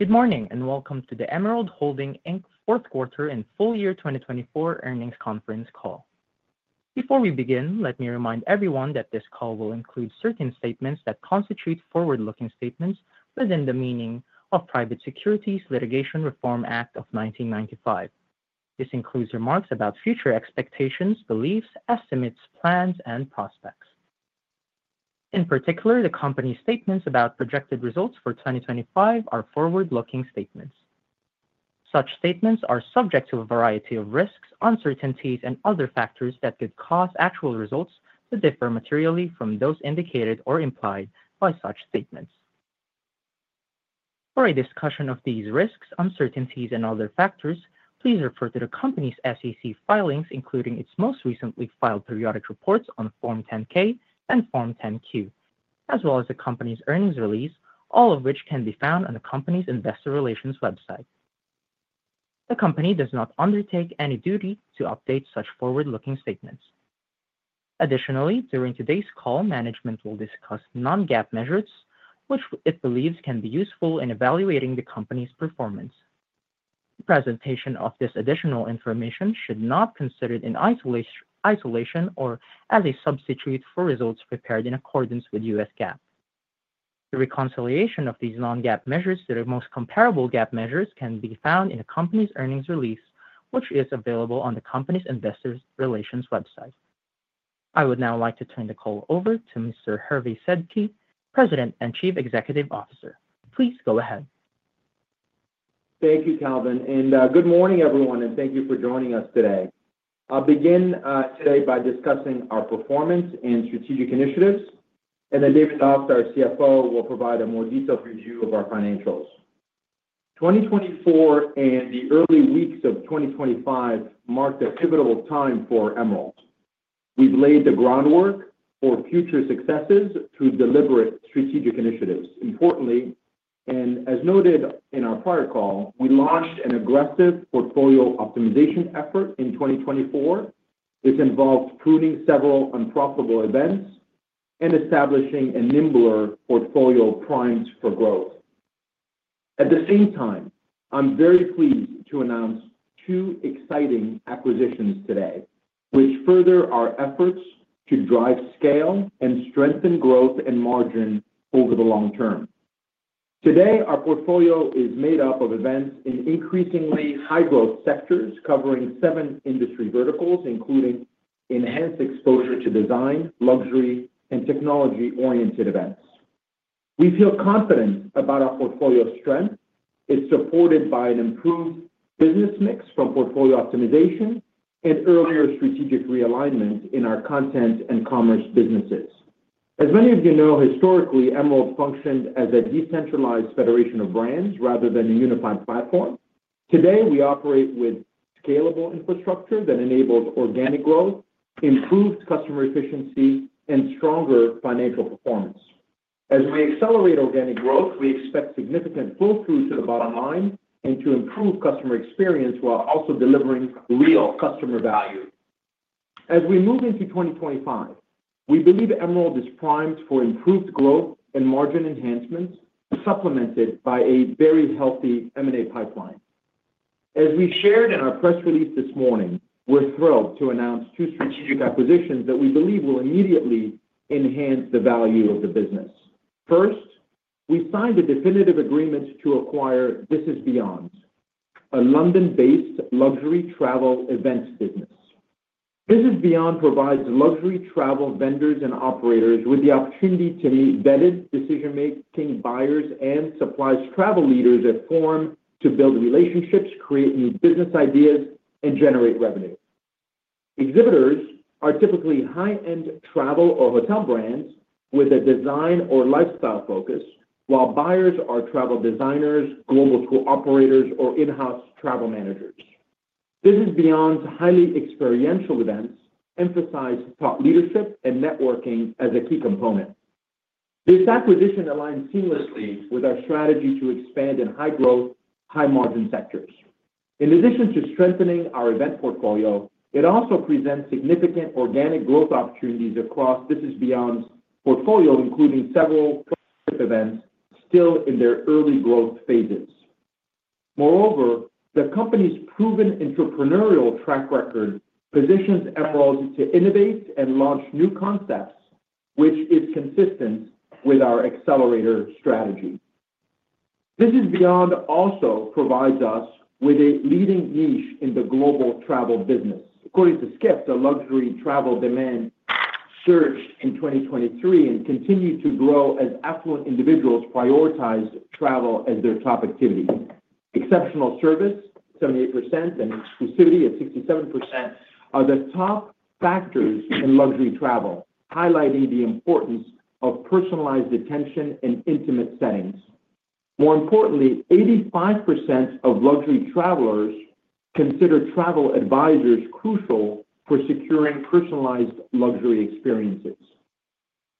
Good morning and welcome to the Emerald Holding fourth quarter and full year 2024 earnings conference call. Before we begin, let me remind everyone that this call will include certain statements that constitute forward-looking statements within the meaning of the Private Securities Litigation Reform Act of 1995. This includes remarks about future expectations, beliefs, estimates, plans, and prospects. In particular, the company's statements about projected results for 2025 are forward-looking statements. Such statements are subject to a variety of risks, uncertainties, and other factors that could cause actual results to differ materially from those indicated or implied by such statements. For a discussion of these risks, uncertainties, and other factors, please refer to the company's SEC filings, including its most recently filed periodic reports on Form 10-K and Form 10-Q, as well as the company's earnings release, all of which can be found on the company's investor relations website. The company does not undertake any duty to update such forward-looking statements. Additionally, during today's call, management will discuss non-GAAP measures, which it believes can be useful in evaluating the company's performance. The presentation of this additional information should not be considered in isolation or as a substitute for results prepared in accordance with U.S. GAAP. The reconciliation of these non-GAAP measures to the most comparable GAAP measures can be found in the company's earnings release, which is available on the company's investor relations website. I would now like to turn the call over to Mr. Hervé Sedky, President and Chief Executive Officer. Please go ahead. Thank you, Calvin. Good morning, everyone, and thank you for joining us today. I'll begin today by discussing our performance and strategic initiatives, and then David Doft, our CFO, will provide a more detailed review of our financials. 2024 and the early weeks of 2025 marked a pivotal time for Emerald. We've laid the groundwork for future successes through deliberate strategic initiatives. Importantly, as noted in our prior call, we launched an aggressive portfolio optimization effort in 2024. This involved pruning several unprofitable events and establishing a nimble portfolio primed for growth. At the same time, I'm very pleased to announce two exciting acquisitions today, which further our efforts to drive scale and strengthen growth and margin over the long term. Today, our portfolio is made up of events in increasingly high-growth sectors covering seven industry verticals, including enhanced exposure to design, luxury, and technology-oriented events. We feel confident about our portfolio strength. It's supported by an improved business mix from portfolio optimization and earlier strategic realignment in our content and commerce businesses. As many of you know, historically, Emerald functioned as a decentralized federation of brands rather than a unified platform. Today, we operate with scalable infrastructure that enables organic growth, improved customer efficiency, and stronger financial performance. As we accelerate organic growth, we expect significant flow-through to the bottom line and to improve customer experience while also delivering real customer value. As we move into 2025, we believe Emerald is primed for improved growth and margin enhancements, supplemented by a very healthy M&A pipeline. As we shared in our press release this morning, we're thrilled to announce two strategic acquisitions that we believe will immediately enhance the value of the business. First, we signed a definitive agreement to acquire This Is Beyond, a London-based luxury travel events business. This Is Beyond provides luxury travel vendors and operators with the opportunity to meet vetted decision-making buyers and supplies travel leaders that form to build relationships, create new business ideas, and generate revenue. Exhibitors are typically high-end travel or hotel brands with a design or lifestyle focus, while buyers are travel designers, global tour operators, or in-house travel managers. This Is Beyond's highly experiential events emphasize thought leadership and networking as a key component. This acquisition aligns seamlessly with our strategy to expand in high-growth, high-margin sectors. In addition to strengthening our event portfolio, it also presents significant organic growth opportunities across This Is Beyond's portfolio, including several events still in their early growth phases. Moreover, the company's proven entrepreneurial track record positions Emerald to innovate and launch new concepts, which is consistent with our accelerator strategy. This Is Beyond also provides us with a leading niche in the global travel business. According to Skift, luxury travel demand surged in 2023 and continued to grow as affluent individuals prioritized travel as their top activity. Exceptional service, 78%, and exclusivity at 67% are the top factors in luxury travel, highlighting the importance of personalized attention and intimate settings. More importantly, 85% of luxury travelers consider travel advisors crucial for securing personalized luxury experiences.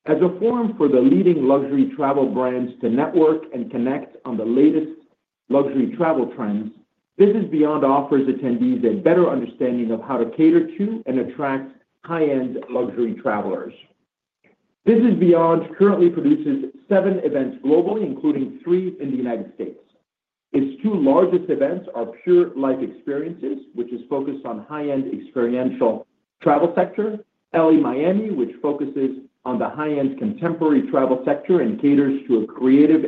As a forum for the leading luxury travel brands to network and connect on the latest luxury travel trends, This Is Beyond offers attendees a better understanding of how to cater to and attract high-end luxury travelers. This Is Beyond currently produces seven events globally, including three in the United States. Its two largest events are PURE Life Experiences, which is focused on high-end experiential travel sector, LE/Miami, which focuses on the high-end contemporary travel sector and caters to a creative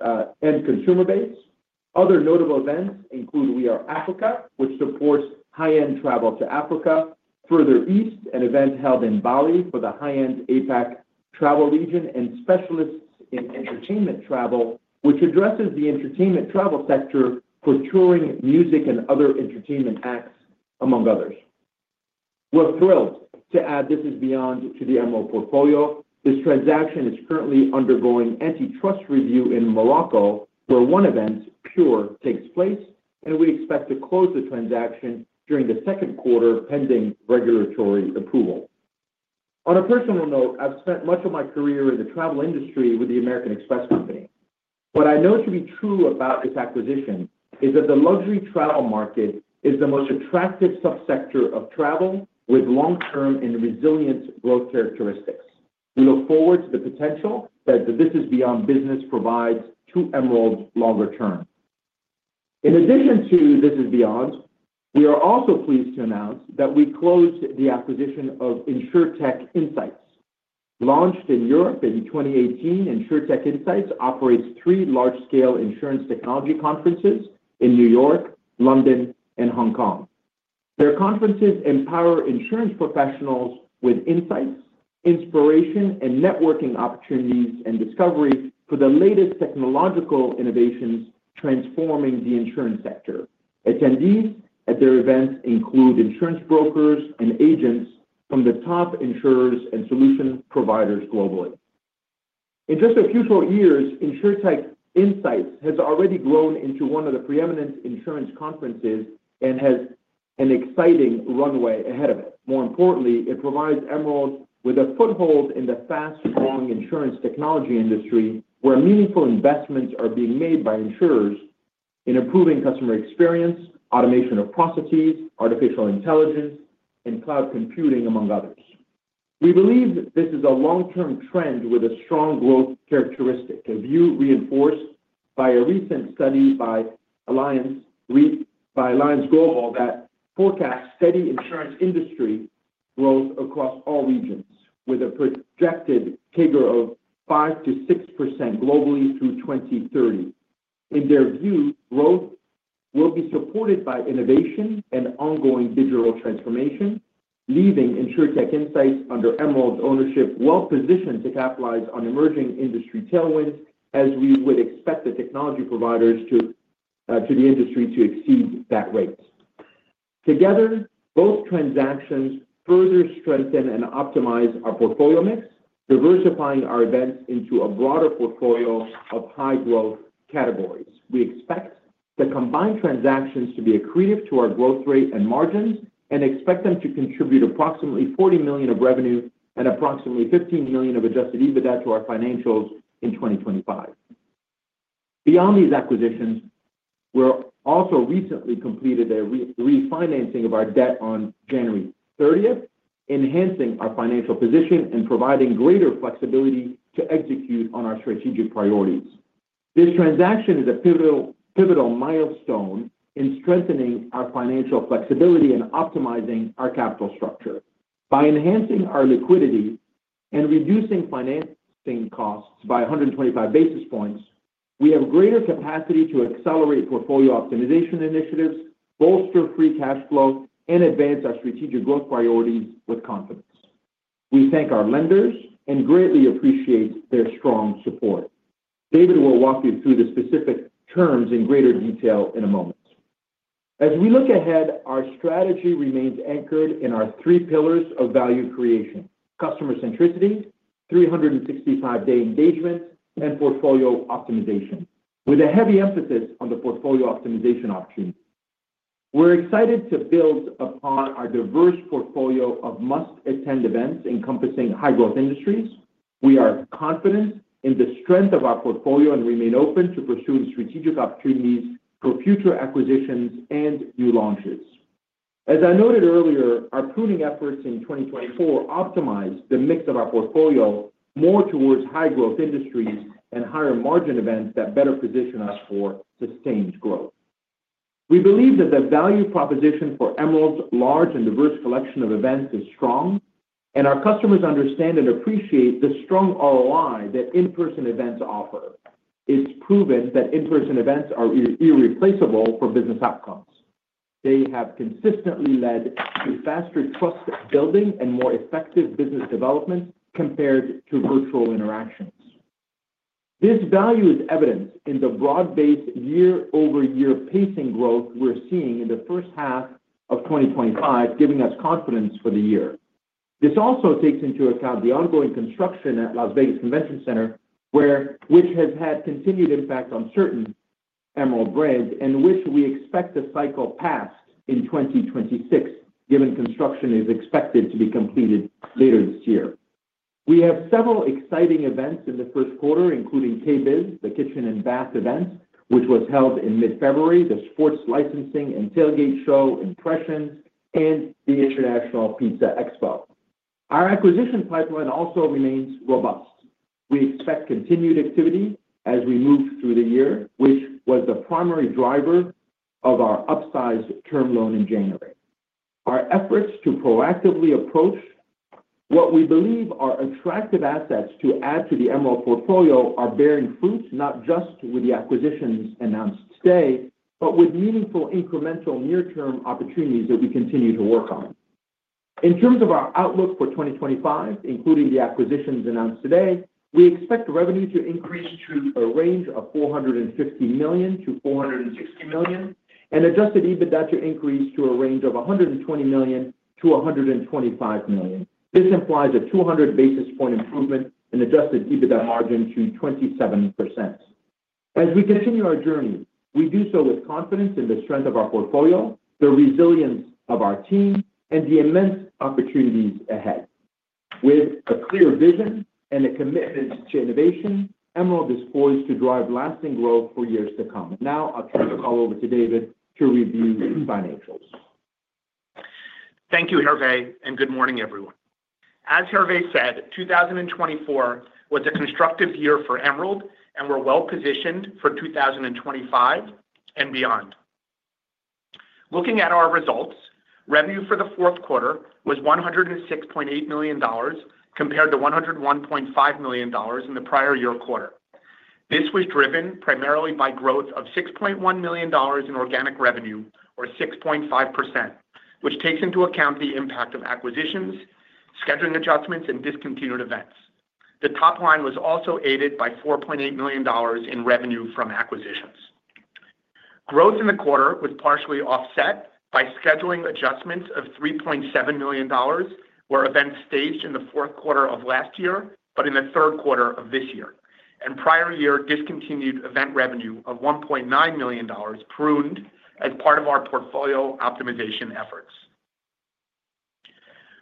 and consumer base. Other notable events include We Are Africa, which supports high-end travel to Africa, Further East, an event held in Bali for the high-end APAC travel region, and Specialist in Entertainment Travel, which addresses the entertainment travel sector for touring, music, and other entertainment acts, among others. We're thrilled to add This Is Beyond to the Emerald portfolio. This transaction is currently undergoing antitrust review in Morocco, where one event, PURE, takes place, and we expect to close the transaction during the second quarter pending regulatory approval. On a personal note, I've spent much of my career in the travel industry with the American Express Company. What I know to be true about this acquisition is that the luxury travel market is the most attractive subsector of travel with long-term and resilient growth characteristics. We look forward to the potential that the This Is Beyond business provides to Emerald longer term. In addition to This Is Beyond, we are also pleased to announce that we closed the acquisition of Insurtech Insights. Launched in Europe in 2018, Insurtech Insights operates three large-scale insurance technology conferences in New York, London, and Hong Kong. Their conferences empower insurance professionals with insights, inspiration, and networking opportunities and discovery for the latest technological innovations transforming the insurance sector. Attendees at their events include insurance brokers and agents from the top insurers and solution providers globally. In just a few short years, Insurtech Insights has already grown into one of the preeminent insurance conferences and has an exciting runway ahead of it. More importantly, it provides Emerald with a foothold in the fast-growing insurance technology industry where meaningful investments are being made by insurers in improving customer experience, automation of processes, artificial intelligence, and cloud computing, among others. We believe this is a long-term trend with a strong growth characteristic, a view reinforced by a recent study by Allianz Global that forecasts steady insurance industry growth across all regions, with a projected CAGR of 5%-6% globally through 2030. In their view, growth will be supported by innovation and ongoing digital transformation, leaving Insurtech Insights under Emerald's ownership well-positioned to capitalize on emerging industry tailwinds, as we would expect the technology providers to the industry to exceed that rate. Together, both transactions further strengthen and optimize our portfolio mix, diversifying our events into a broader portfolio of high-growth categories. We expect the combined transactions to be accretive to our growth rate and margins and expect them to contribute approximately $40 million of revenue and approximately $15 million of adjusted EBITDA to our financials in 2025. Beyond these acquisitions, we also recently completed a refinancing of our debt on January 30th, enhancing our financial position and providing greater flexibility to execute on our strategic priorities. This transaction is a pivotal milestone in strengthening our financial flexibility and optimizing our capital structure. By enhancing our liquidity and reducing financing costs by 125 basis points, we have greater capacity to accelerate portfolio optimization initiatives, bolster free cash flow, and advance our strategic growth priorities with confidence. We thank our lenders and greatly appreciate their strong support. David will walk you through the specific terms in greater detail in a moment. As we look ahead, our strategy remains anchored in our three pillars of value creation: customer centricity, 365-day engagement, and portfolio optimization, with a heavy emphasis on the portfolio optimization opportunity. We're excited to build upon our diverse portfolio of must-attend events encompassing high-growth industries. We are confident in the strength of our portfolio and remain open to pursue strategic opportunities for future acquisitions and new launches. As I noted earlier, our pruning efforts in 2024 optimize the mix of our portfolio more towards high-growth industries and higher-margin events that better position us for sustained growth. We believe that the value proposition for Emerald's large and diverse collection of events is strong, and our customers understand and appreciate the strong ROI that in-person events offer. It's proven that in-person events are irreplaceable for business outcomes. They have consistently led to faster trust-building and more effective business development compared to virtual interactions. This value is evidenced in the broad-based year-over-year pacing growth we're seeing in the first half of 2025, giving us confidence for the year. This also takes into account the ongoing construction at Las Vegas Convention Center, which has had continued impact on certain Emerald brands, and which we expect to cycle past in 2026, given construction is expected to be completed later this year. We have several exciting events in the first quarter, including KBIS, the Kitchen and Bath event, which was held in mid-February, the Sports Licensing and Tailgate Show Impressions, and the International Pizza Expo. Our acquisition pipeline also remains robust. We expect continued activity as we move through the year, which was the primary driver of our upsized term loan in January. Our efforts to proactively approach what we believe are attractive assets to add to the Emerald portfolio are bearing fruit, not just with the acquisitions announced today, but with meaningful incremental near-term opportunities that we continue to work on. In terms of our outlook for 2025, including the acquisitions announced today, we expect revenue to increase to a range of $450 million-$460 million and adjusted EBITDA to increase to a range of $120 million-$125 million. This implies a 200 basis point improvement in adjusted EBITDA margin to 27%. As we continue our journey, we do so with confidence in the strength of our portfolio, the resilience of our team, and the immense opportunities ahead. With a clear vision and a commitment to innovation, Emerald is poised to drive lasting growth for years to come. Now, I'll turn the call over to David to review financials. Thank you, Hervé, and good morning, everyone. As Hervé said, 2024 was a constructive year for Emerald, and we're well-positioned for 2025 and beyond. Looking at our results, revenue for the fourth quarter was $106.8 million compared to $101.5 million in the prior year quarter. This was driven primarily by growth of $6.1 million in organic revenue, or 6.5%, which takes into account the impact of acquisitions, scheduling adjustments, and discontinued events. The top line was also aided by $4.8 million in revenue from acquisitions. Growth in the quarter was partially offset by scheduling adjustments of $3.7 million, where events staged in the fourth quarter of last year but in the third quarter of this year, and prior-year discontinued event revenue of $1.9 million pruned as part of our portfolio optimization efforts.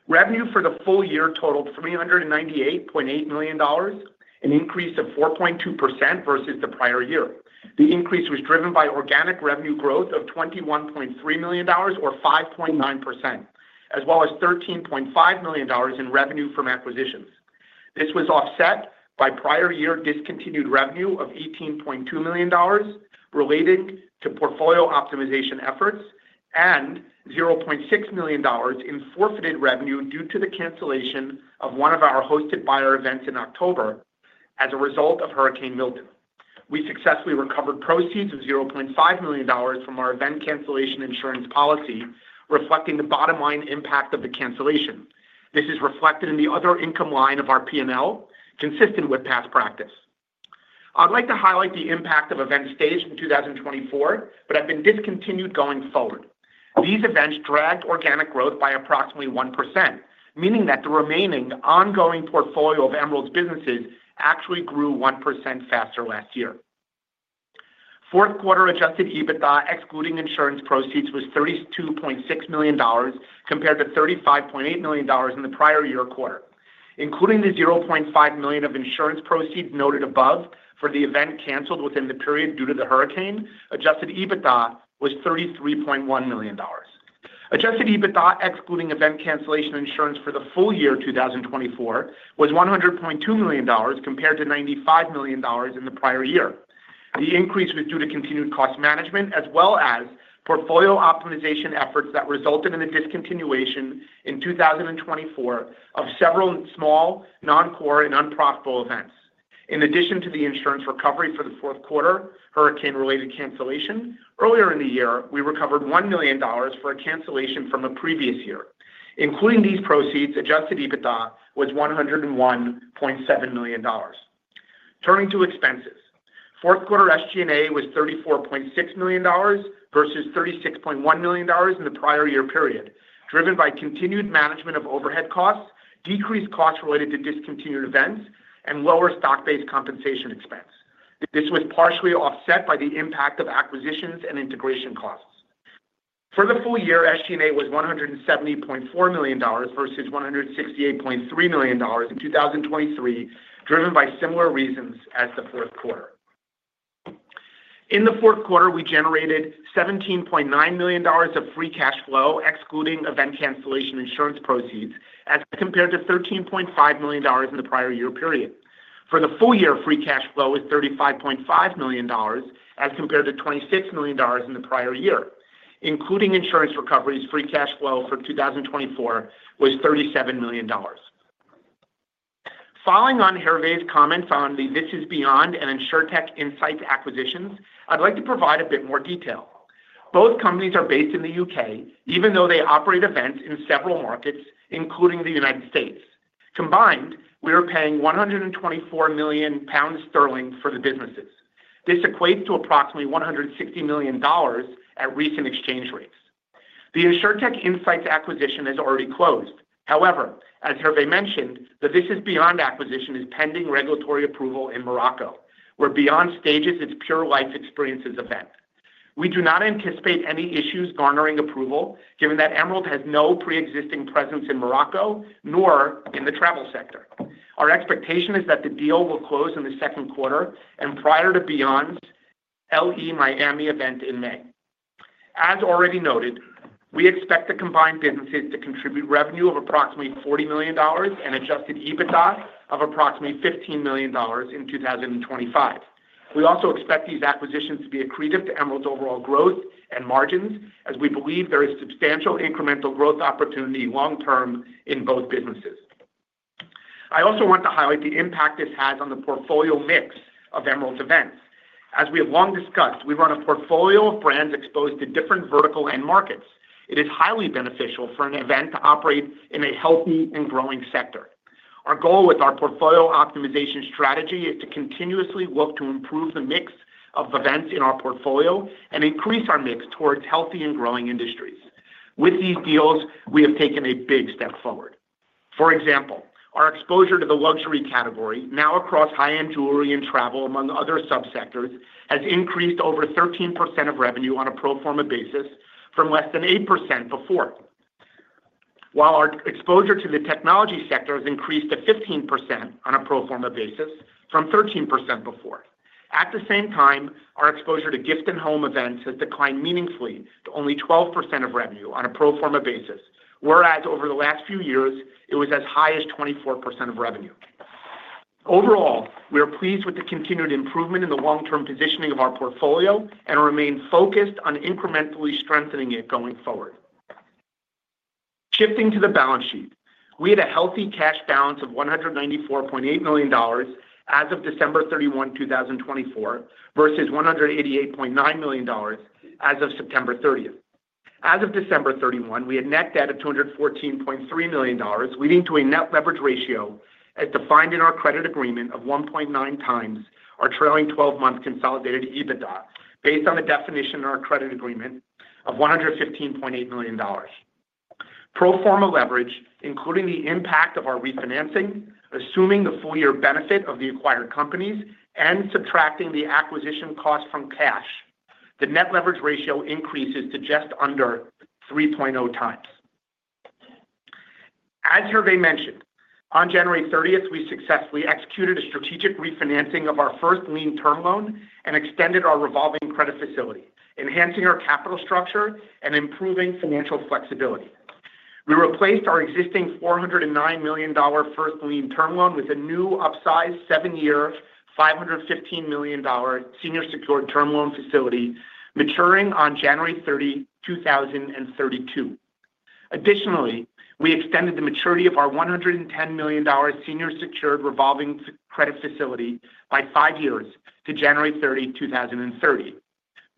Revenue for the full year totaled $398.8 million, an increase of 4.2% versus the prior year. The increase was driven by organic revenue growth of $21.3 million, or 5.9%, as well as $13.5 million in revenue from acquisitions. This was offset by prior-year discontinued revenue of $18.2 million related to portfolio optimization efforts and $0.6 million in forfeited revenue due to the cancellation of one of our hosted buyer events in October as a result of Hurricane Milton. We successfully recovered proceeds of $0.5 million from our event cancellation insurance policy, reflecting the bottom-line impact of the cancellation. This is reflected in the other income line of our P&L, consistent with past practice. I'd like to highlight the impact of events staged in 2024, but have been discontinued going forward. These events dragged organic growth by approximately 1%, meaning that the remaining ongoing portfolio of Emerald's businesses actually grew 1% faster last year. Fourth-quarter adjusted EBITDA, excluding insurance proceeds, was $32.6 million compared to $35.8 million in the prior year quarter. Including the $0.5 million of insurance proceeds noted above for the event canceled within the period due to the hurricane, adjusted EBITDA was $33.1 million. Adjusted EBITDA, excluding event cancellation insurance for the full year 2024, was $100.2 million compared to $95 million in the prior year. The increase was due to continued cost management, as well as portfolio optimization efforts that resulted in the discontinuation in 2024 of several small, non-core, and unprofitable events. In addition to the insurance recovery for the fourth quarter hurricane-related cancellation, earlier in the year, we recovered $1 million for a cancellation from a previous year. Including these proceeds, adjusted EBITDA was $101.7 million. Turning to expenses, fourth-quarter SG&A was $34.6 million versus $36.1 million in the prior year period, driven by continued management of overhead costs, decreased costs related to discontinued events, and lower stock-based compensation expense. This was partially offset by the impact of acquisitions and integration costs. For the full year, SG&A was $170.4 million versus $168.3 million in 2023, driven by similar reasons as the fourth quarter. In the fourth quarter, we generated $17.9 million of free cash flow, excluding event cancellation insurance proceeds, as compared to $13.5 million in the prior year period. For the full year, free cash flow was $35.5 million as compared to $26 million in the prior year. Including insurance recoveries, free cash flow for 2024 was $37 million. Following on Hervé's comments on the This Is Beyond and Insurtech Insights acquisitions, I'd like to provide a bit more detail. Both companies are based in the U.K., even though they operate events in several markets, including the United States. Combined, we are paying 124 million pounds for the businesses. This equates to approximately $160 million at recent exchange rates. The Insurtech Insights acquisition is already closed. However, as Hervé mentioned, the This Is Beyond acquisition is pending regulatory approval in Morocco, where Beyond stages its PURE Life Experiences event. We do not anticipate any issues garnering approval, given that Emerald has no pre-existing presence in Morocco nor in the travel sector. Our expectation is that the deal will close in the second quarter and prior to Beyond's LE/Miami event in May. As already noted, we expect the combined businesses to contribute revenue of approximately $40 million and adjusted EBITDA of approximately $15 million in 2025. We also expect these acquisitions to be accretive to Emerald's overall growth and margins, as we believe there is substantial incremental growth opportunity long-term in both businesses. I also want to highlight the impact this has on the portfolio mix of Emerald's events. As we have long discussed, we run a portfolio of brands exposed to different vertical and markets. It is highly beneficial for an event to operate in a healthy and growing sector. Our goal with our portfolio optimization strategy is to continuously work to improve the mix of events in our portfolio and increase our mix towards healthy and growing industries. With these deals, we have taken a big step forward. For example, our exposure to the luxury category, now across high-end jewelry and travel, among other subsectors, has increased to over 13% of revenue on a pro forma basis from less than 8% before, while our exposure to the technology sector has increased to 15% on a pro forma basis from 13% before. At the same time, our exposure to gift-and-home events has declined meaningfully to only 12% of revenue on a pro forma basis, whereas over the last few years, it was as high as 24% of revenue. Overall, we are pleased with the continued improvement in the long-term positioning of our portfolio and remain focused on incrementally strengthening it going forward. Shifting to the balance sheet, we had a healthy cash balance of $194.8 million as of December 31, 2024, versus $188.9 million as of September 30. As of December 31, we had net debt of $214.3 million, leading to a net leverage ratio as defined in our credit agreement of 1.9 times our trailing 12-month consolidated EBITDA, based on the definition in our credit agreement of $115.8 million. Pro forma leverage, including the impact of our refinancing, assuming the full-year benefit of the acquired companies, and subtracting the acquisition cost from cash, the net leverage ratio increases to just under 3.0 times. As Hervé mentioned, on January 30th, we successfully executed a strategic refinancing of our first lien term loan and extended our revolving credit facility, enhancing our capital structure and improving financial flexibility. We replaced our existing $409 million first lien term loan with a new upsized seven-year $515 million senior secured term loan facility, maturing on January 30, 2032. Additionally, we extended the maturity of our $110 million senior secured revolving credit facility by five years to January 30, 2030.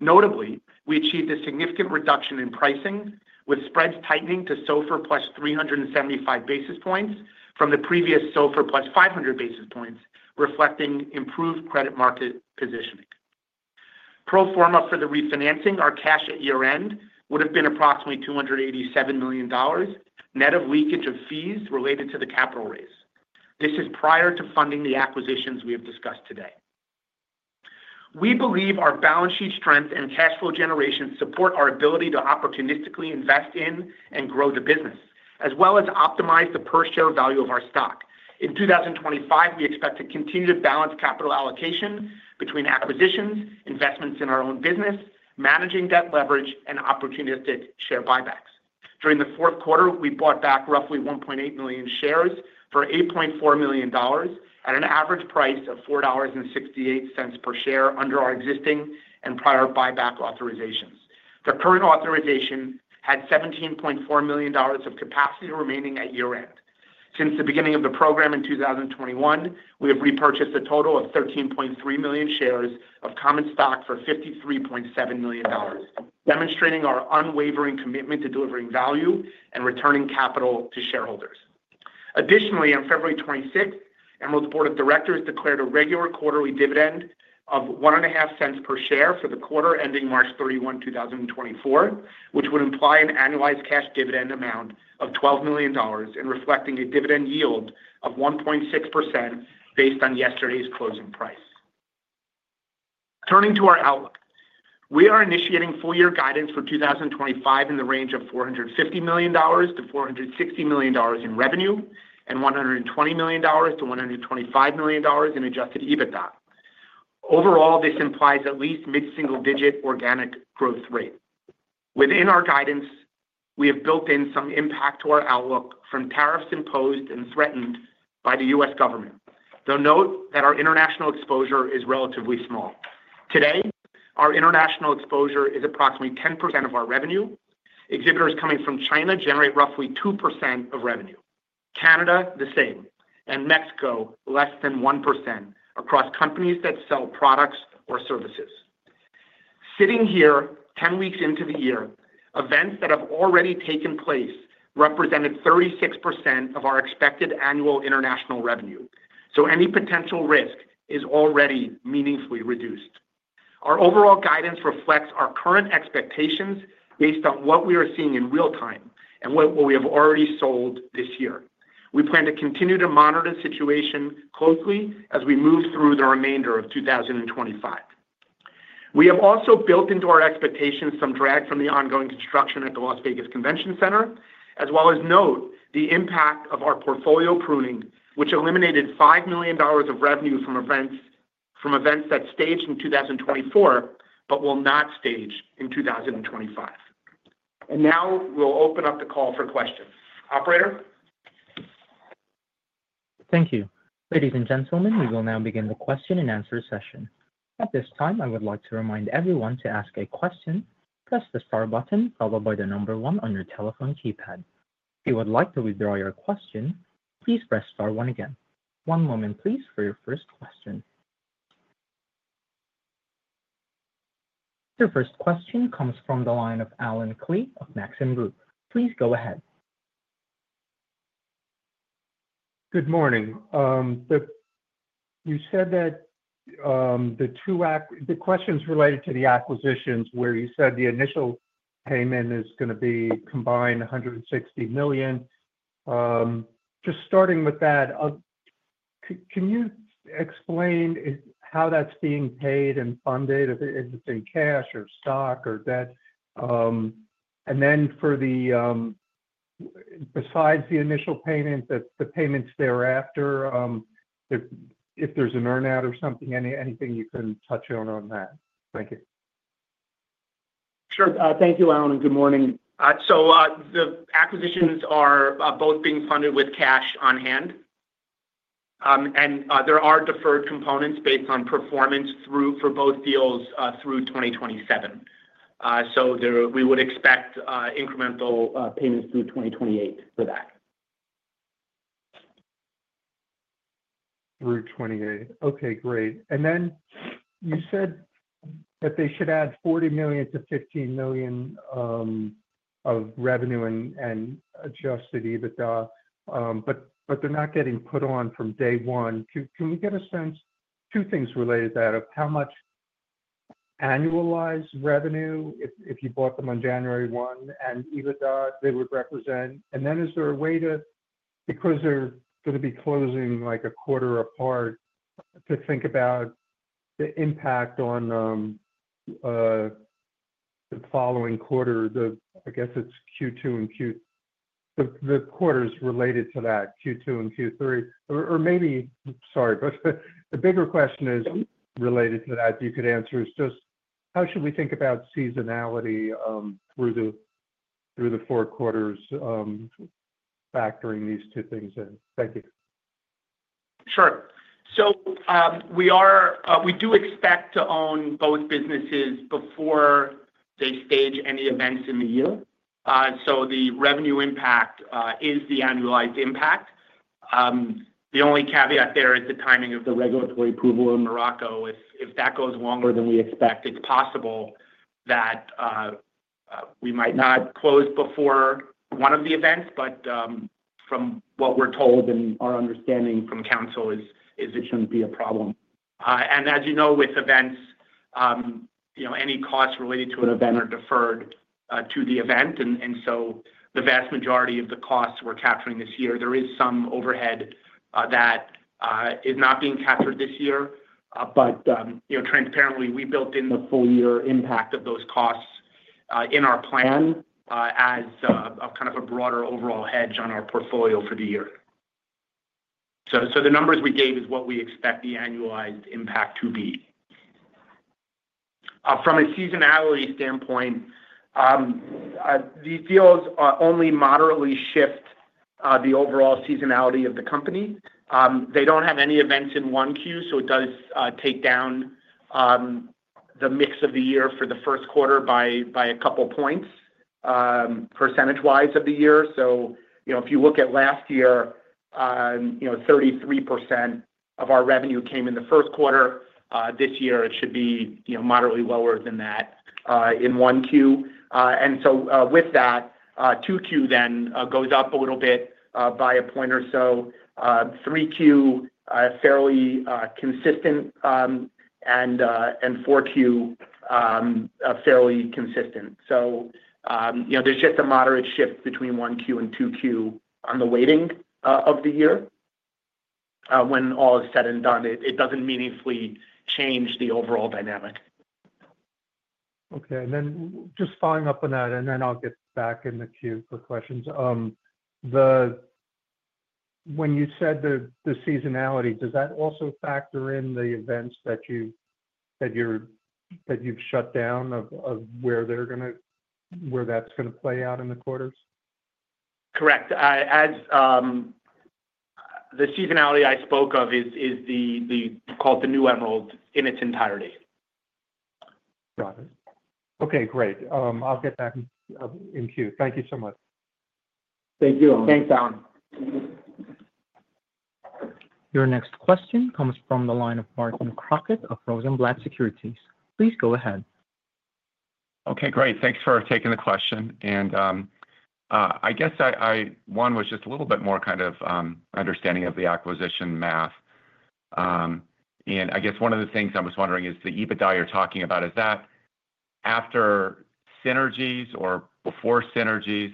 Notably, we achieved a significant reduction in pricing, with spreads tightening to SOFR plus 375 basis points from the previous SOFR plus 500 basis points, reflecting improved credit market positioning. Pro forma for the refinancing, our cash at year-end would have been approximately $287 million net of leakage of fees related to the capital raise. This is prior to funding the acquisitions we have discussed today. We believe our balance sheet strength and cash flow generation support our ability to opportunistically invest in and grow the business, as well as optimize the per-share value of our stock. In 2025, we expect to continue to balance capital allocation between acquisitions, investments in our own business, managing debt leverage, and opportunistic share buybacks. During the fourth quarter, we bought back roughly 1.8 million shares for $8.4 million at an average price of $4.68 per share under our existing and prior buyback authorizations. The current authorization had $17.4 million of capacity remaining at year-end. Since the beginning of the program in 2021, we have repurchased a total of 13.3 million shares of common stock for $53.7 million, demonstrating our unwavering commitment to delivering value and returning capital to shareholders. Additionally, on February 26, Emerald's board of directors declared a regular quarterly dividend of $0.25 per share for the quarter ending March 31, 2024, which would imply an annualized cash dividend amount of $12 million and reflecting a dividend yield of 1.6% based on yesterday's closing price. Turning to our outlook, we are initiating full-year guidance for 2025 in the range of $450 million-$460 million in revenue and $120 million-$125 million in adjusted EBITDA. Overall, this implies at least mid-single-digit organic growth rate. Within our guidance, we have built in some impact to our outlook from tariffs imposed and threatened by the U.S. government. Though note that our international exposure is relatively small. Today, our international exposure is approximately 10% of our revenue. Exhibitors coming from China generate roughly 2% of revenue. Canada, the same, and Mexico less than 1% across companies that sell products or services. Sitting here, 10 weeks into the year, events that have already taken place represented 36% of our expected annual international revenue. Any potential risk is already meaningfully reduced. Our overall guidance reflects our current expectations based on what we are seeing in real time and what we have already sold this year. We plan to continue to monitor the situation closely as we move through the remainder of 2025. We have also built into our expectations some drag from the ongoing construction at the Las Vegas Convention Center, as well as note the impact of our portfolio pruning, which eliminated $5 million of revenue from events that staged in 2024 but will not stage in 2025. Now we'll open up the call for questions. Operator? Thank you. Ladies and gentlemen, we will now begin the question and answer session. At this time, I would like to remind everyone to ask a question, press the star button followed by the number one on your telephone keypad. If you would like to withdraw your question, please press star one again. One moment, please, for your first question. Your first question comes from the line of Allen Klee of Maxim Group. Please go ahead. Good morning. You said that the question is related to the acquisitions, where you said the initial payment is going to be combined $160 million. Just starting with that, can you explain how that's being paid and funded? Is it in cash or stock or debt? And then besides the initial payment, the payments thereafter, if there's an earn-out or something, anything you can touch on on that? Thank you. Sure. Thank you, Allen. Good morning. The acquisitions are both being funded with cash on hand, and there are deferred components based on performance for both deals through 2027. We would expect incremental payments through 2028 for that. Through 2028. Okay. Great. You said that they should add $40 million to $15 million of revenue and adjusted EBITDA, but they're not getting put on from day one. Can we get a sense? Two things related to that of how much annualized revenue, if you bought them on January 1 and EBITDA they would represent. Is there a way to, because they're going to be closing like a quarter apart, to think about the impact on the following quarter? I guess it's Q2 and Q3, the quarters related to that, Q2 and Q3. Maybe, sorry, but the bigger question is related to that, you could answer, is just how should we think about seasonality through the four quarters, factoring these two things in? Thank you. Sure. We do expect to own both businesses before they stage any events in the year. The revenue impact is the annualized impact. The only caveat there is the timing of the regulatory approval in Morocco. If that goes longer than we expect, it's possible that we might not close before one of the events. From what we're told and our understanding from counsel is it shouldn't be a problem. As you know, with events, any costs related to an event are deferred to the event. The vast majority of the costs we're capturing this year, there is some overhead that is not being captured this year. Transparently, we built in the full-year impact of those costs in our plan as kind of a broader overall hedge on our portfolio for the year. The numbers we gave is what we expect the annualized impact to be. From a seasonality standpoint, these deals only moderately shift the overall seasonality of the company. They don't have any events in 1Q, so it does take down the mix of the year for the first quarter by a couple of points percentage-wise of the year. If you look at last year, 33% of our revenue came in the first quarter. This year, it should be moderately lower than that in 1Q. With that, 2Q then goes up a little bit by a point or so. 3Q, fairly consistent, and 4Q, fairly consistent. There's just a moderate shift between 1Q and 2Q on the weighting of the year. When all is said and done, it doesn't meaningfully change the overall dynamic. Okay. Just following up on that, and then I'll get back in the queue for questions. When you said the seasonality, does that also factor in the events that you've shut down of where that's going to play out in the quarters? Correct. The seasonality I spoke of is called the new Emerald in its entirety. Got it. Okay. Great. I'll get back in queue. Thank you so much. Thank you. Thanks, Allen. Your next question comes from the line of Barton Crockett of Rosenblatt Securities. Please go ahead. Okay. Great. Thanks for taking the question. I guess one was just a little bit more kind of understanding of the acquisition math. I guess one of the things I was wondering is the EBITDA you're talking about, is that after synergies or before synergies,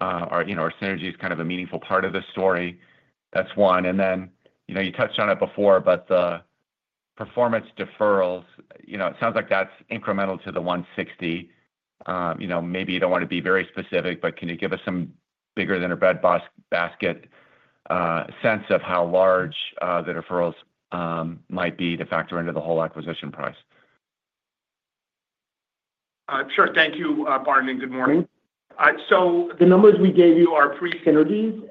or are synergies kind of a meaningful part of the story? That's one. You touched on it before, but the performance deferrals, it sounds like that's incremental to the $160. Maybe you don't want to be very specific, but can you give us some bigger than a bread basket sense of how large the deferrals might be to factor into the whole acquisition price? Sure. Thank you, Barton, and good morning. The numbers we gave you are pre-synergies.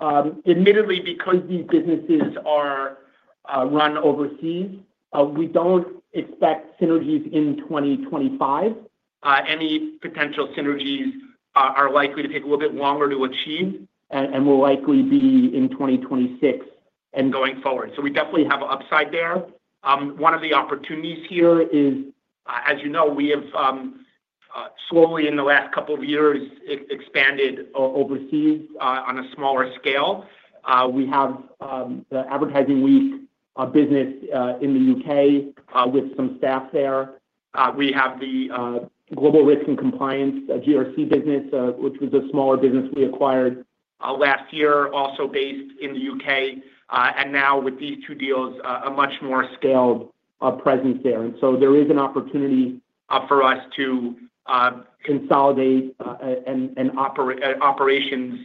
Admittedly, because these businesses are run overseas, we don't expect synergies in 2025. Any potential synergies are likely to take a little bit longer to achieve and will likely be in 2026 and going forward. We definitely have an upside there. One of the opportunities here is, as you know, we have slowly in the last couple of years expanded overseas on a smaller scale. We have the Advertising Week business in the U.K. with some staff there. We have the Global Risk and Compliance, GRC business, which was a smaller business we acquired last year, also based in the U.K. With these two deals, a much more scaled presence there. There is an opportunity for us to consolidate operations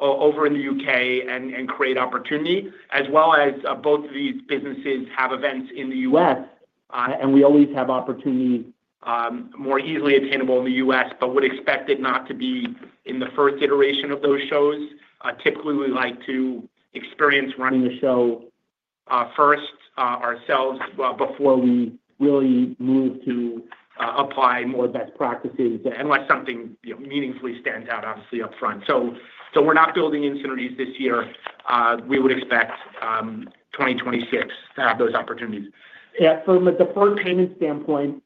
over in the U.K. and create opportunity, as well as both of these businesses have events in the U.S. We always have opportunities more easily attainable in the U.S., but would expect it not to be in the first iteration of those shows. Typically, we like to experience running the show first ourselves before we really move to apply more best practices unless something meaningfully stands out, obviously, upfront. We are not building in synergies this year. We would expect 2026 to have those opportunities. From a deferred payment standpoint,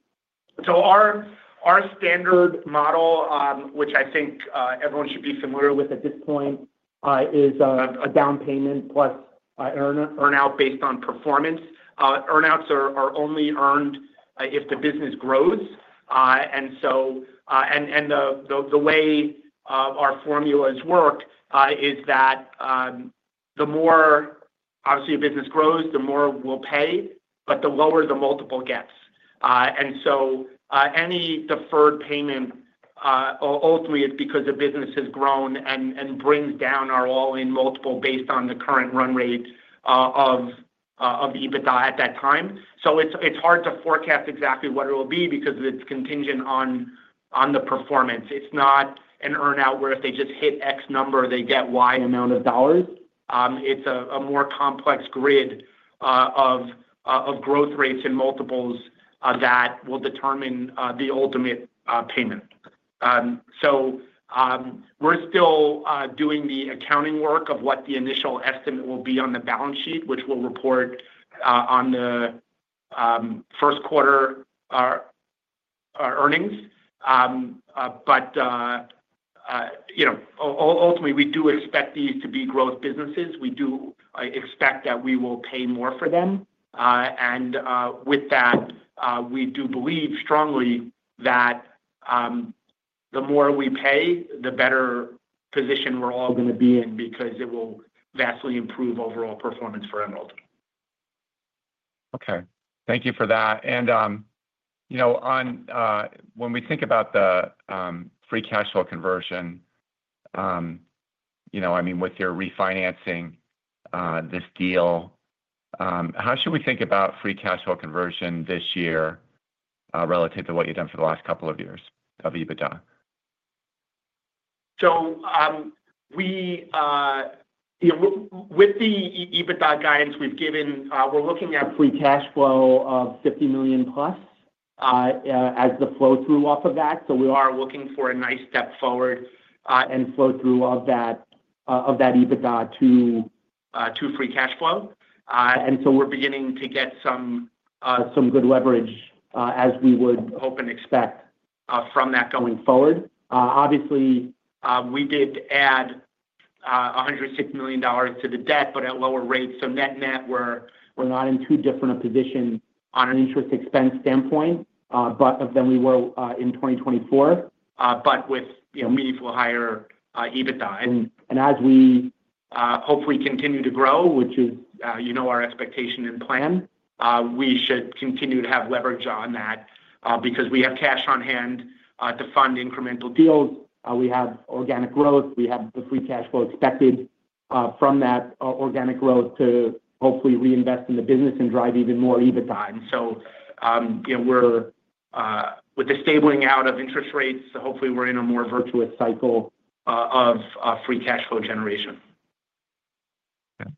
our standard model, which I think everyone should be familiar with at this point, is a down payment plus earn-out based on performance. Earn-outs are only earned if the business grows. The way our formulas work is that the more, obviously, a business grows, the more we'll pay, but the lower the multiple gets. Any deferred payment, ultimately, is because the business has grown and brings down our all-in multiple based on the current run rate of EBITDA at that time. It's hard to forecast exactly what it will be because it's contingent on the performance. It's not an earn-out where if they just hit X number, they get Y amount of dollars. It's a more complex grid of growth rates and multiples that will determine the ultimate payment. We're still doing the accounting work of what the initial estimate will be on the balance sheet, which will report on the first quarter earnings. Ultimately, we do expect these to be growth businesses. We do expect that we will pay more for them. With that, we do believe strongly that the more we pay, the better position we're all going to be in because it will vastly improve overall performance for Emerald. Okay. Thank you for that. When we think about the free cash flow conversion, I mean, with your refinancing this deal, how should we think about free cash flow conversion this year relative to what you've done for the last couple of years of EBITDA? With the EBITDA guidance we've given, we're looking at free cash flow of $50 million plus as the flow-through off of that. We are looking for a nice step forward and flow-through of that EBITDA to free cash flow. We are beginning to get some good leverage as we would hope and expect from that going forward. Obviously, we did add $160 million to the debt, but at lower rates. Net-net, we are not in too different a position on an interest expense standpoint than we were in 2024, but with meaningful higher EBITDA. As we hopefully continue to grow, which is our expectation and plan, we should continue to have leverage on that because we have cash on hand to fund incremental deals. We have organic growth. We have the free cash flow expected from that organic growth to hopefully reinvest in the business and drive even more EBITDA. With the stabilizing out of interest rates, hopefully, we're in a more virtuous cycle of free cash flow generation. Okay.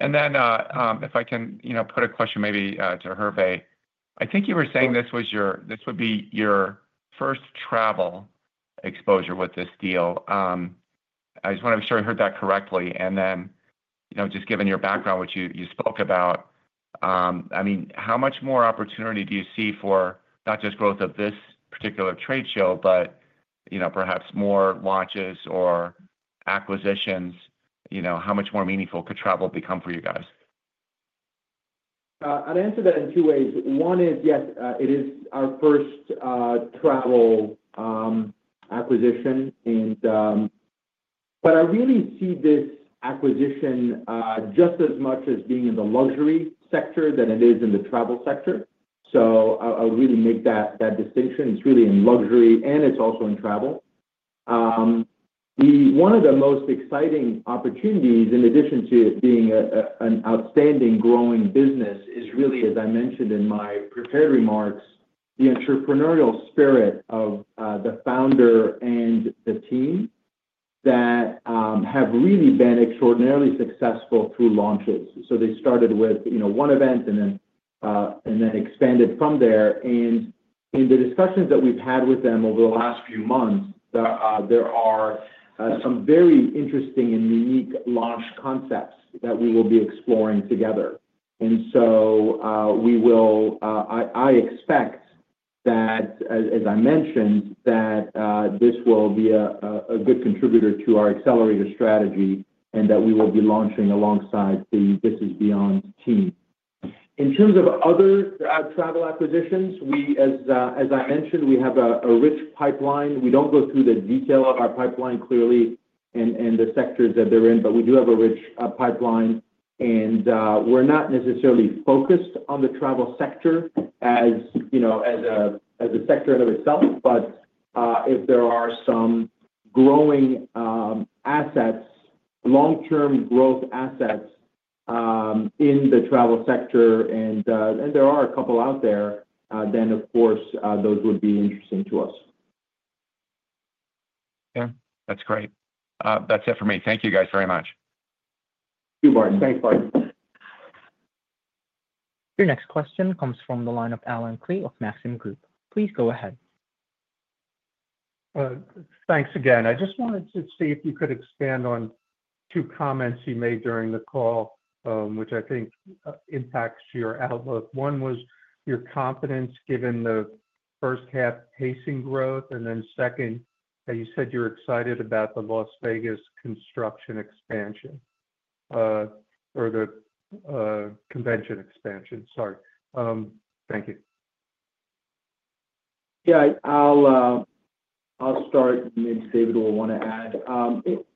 If I can put a question maybe to Hervé, I think you were saying this would be your first travel exposure with this deal. I just want to make sure I heard that correctly. Just given your background, which you spoke about, I mean, how much more opportunity do you see for not just growth of this particular trade show, but perhaps more launches or acquisitions? How much more meaningful could travel become for you guys? I'd answer that in two ways. One is, yes, it is our first travel acquisition. I really see this acquisition just as much as being in the luxury sector than it is in the travel sector. I would really make that distinction. It's really in luxury, and it's also in travel. One of the most exciting opportunities, in addition to it being an outstanding growing business, is really, as I mentioned in my prepared remarks, the entrepreneurial spirit of the founder and the team that have really been extraordinarily successful through launches. They started with one event and then expanded from there. In the discussions that we've had with them over the last few months, there are some very interesting and unique launch concepts that we will be exploring together. I expect, as I mentioned, that this will be a good contributor to our accelerator strategy and that we will be launching alongside the This Is Beyond team. In terms of other travel acquisitions, as I mentioned, we have a rich pipeline. We don't go through the detail of our pipeline clearly and the sectors that they're in, but we do have a rich pipeline. We're not necessarily focused on the travel sector as a sector in and of itself. If there are some growing assets, long-term growth assets in the travel sector, and there are a couple out there, then, of course, those would be interesting to us. Okay. That's great. That's it for me. Thank you guys very much. Thank you, Barton. Thanks, Barton. Your next question comes from the line of Allen Klee of Maxim Group. Please go ahead. Thanks again. I just wanted to see if you could expand on two comments you made during the call, which I think impacts your outlook. One was your confidence given the first-half pacing growth. You said you're excited about the Las Vegas construction expansion or the convention expansion. Sorry. Thank you. Yeah. I'll start, and then David will want to add.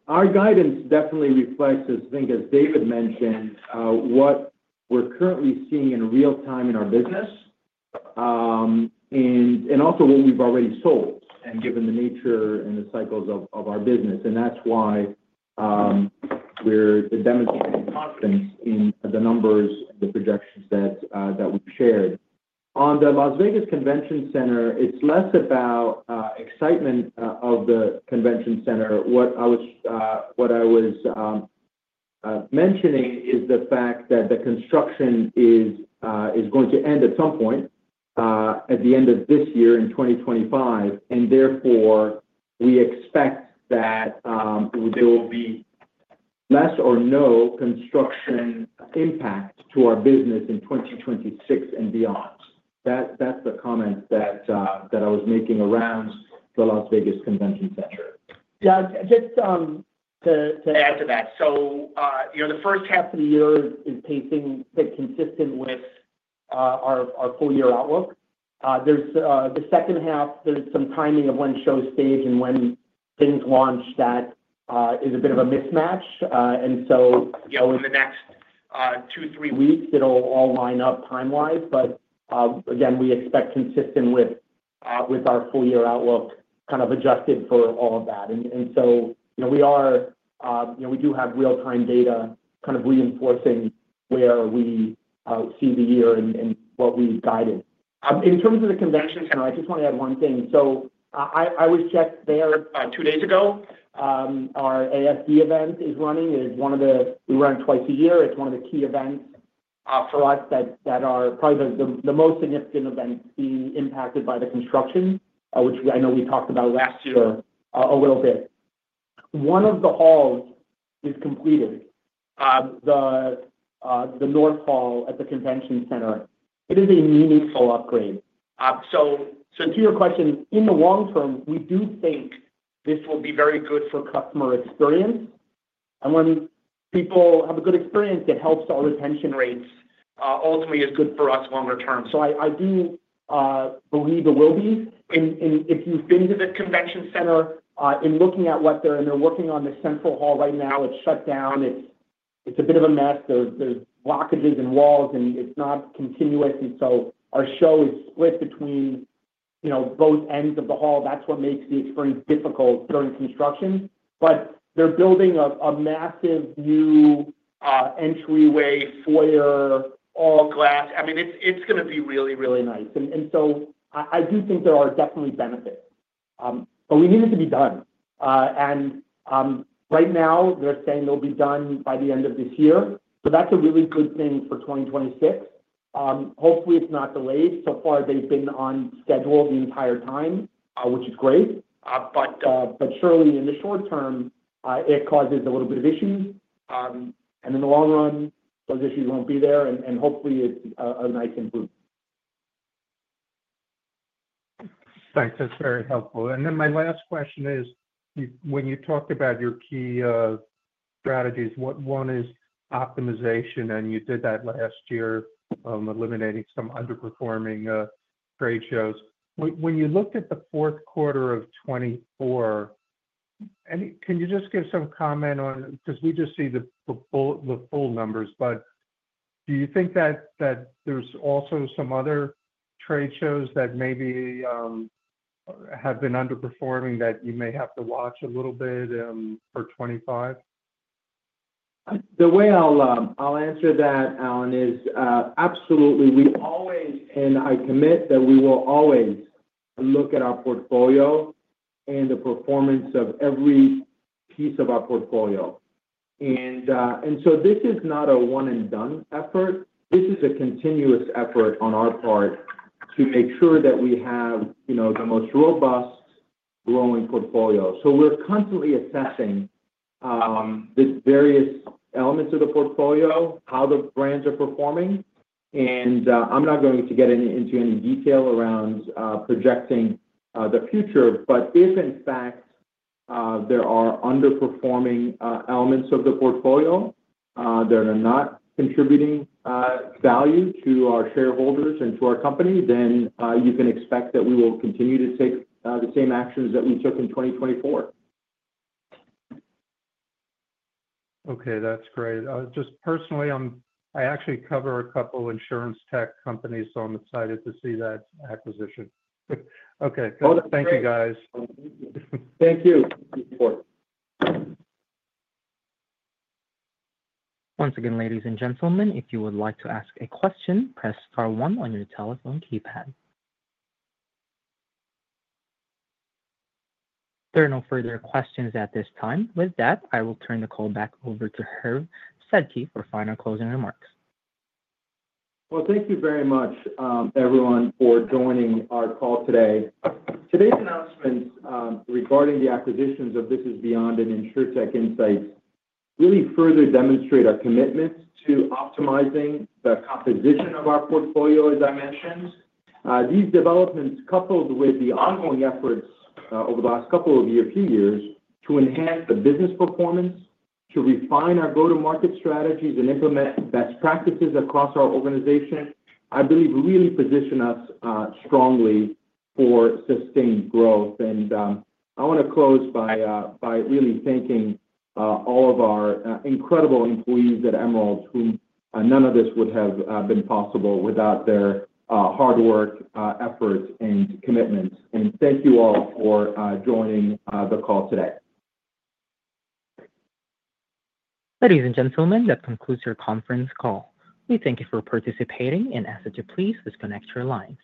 Our guidance definitely reflects, I think, as David mentioned, what we're currently seeing in real time in our business and also what we've already sold and given the nature and the cycles of our business. That's why we're demonstrating confidence in the numbers and the projections that we've shared. On the Las Vegas Convention Center, it's less about excitement of the convention center. What I was mentioning is the fact that the construction is going to end at some point at the end of this year in 2025. Therefore, we expect that there will be less or no construction impact to our business in 2026 and beyond. That's the comment that I was making around the Las Vegas Convention Center. Yeah. Just to add to that, the first half of the year is pacing that's consistent with our full-year outlook. The second half, there's some timing of when shows stage and when things launch that is a bit of a mismatch. In the next two, three weeks, it'll all line up time-wise. Again, we expect consistent with our full-year outlook kind of adjusted for all of that. We do have real-time data kind of reinforcing where we see the year and what we've guided. In terms of the convention center, I just want to add one thing. I was just there two days ago. Our ASD event is running. We run it twice a year. It's one of the key events for us that are probably the most significant events being impacted by the construction, which I know we talked about last year a little bit. One of the halls is completed, the North Hall at the convention center. It is a meaningful upgrade. To your question, in the long term, we do think this will be very good for customer experience. When people have a good experience, it helps our retention rates. Ultimately, it's good for us longer term. I do believe it will be. If you've been to the convention center, in looking at what they're and they're working on the central hall right now, it's shut down. It's a bit of a mess. There's blockages and walls, and it's not continuous. Our show is split between both ends of the hall. That's what makes the experience difficult during construction. They're building a massive new entryway foyer, all glass. I mean, it's going to be really, really nice. I do think there are definitely benefits. We need it to be done. Right now, they're saying they'll be done by the end of this year. That's a really good thing for 2026. Hopefully, it's not delayed. So far, they've been on schedule the entire time, which is great. Surely, in the short term, it causes a little bit of issues. In the long run, those issues won't be there. Hopefully, it's a nice improvement. Thanks. That's very helpful. My last question is, when you talked about your key strategies, one is optimization, and you did that last year eliminating some underperforming trade shows. When you looked at the fourth quarter of 2024, can you just give some comment on because we just see the full numbers, but do you think that there's also some other trade shows that maybe have been underperforming that you may have to watch a little bit for 2025? The way I'll answer that, Allen, is absolutely. I commit that we will always look at our portfolio and the performance of every piece of our portfolio. This is not a one-and-done effort. This is a continuous effort on our part to make sure that we have the most robust growing portfolio. We are constantly assessing the various elements of the portfolio, how the brands are performing. I'm not going to get into any detail around projecting the future. If, in fact, there are underperforming elements of the portfolio that are not contributing value to our shareholders and to our company, then you can expect that we will continue to take the same actions that we took in 2024. Okay. That's great. Just personally, I actually cover a couple of insurance tech companies, so I'm excited to see that acquisition. Okay. Thank you, guys. Thank you. Once again, ladies and gentlemen, if you would like to ask a question, press star one on your telephone keypad. There are no further questions at this time. With that, I will turn the call back over to Hervé Sedky for final closing remarks. Thank you very much, everyone, for joining our call today. Today's announcements regarding the acquisitions of This Is Beyond and Insurtech Insights really further demonstrate our commitment to optimizing the composition of our portfolio, as I mentioned. These developments, coupled with the ongoing efforts over the last couple of years to enhance the business performance, to refine our go-to-market strategies, and implement best practices across our organization, I believe really position us strongly for sustained growth. I want to close by really thanking all of our incredible employees at Emerald, whom none of this would have been possible without their hard work, effort, and commitment. Thank you all for joining the call today. Ladies and gentlemen, that concludes your conference call. We thank you for participating, and ask that you please disconnect your lines.